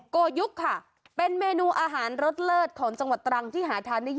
ชื่อว่า